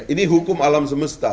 ini hukum alam semesta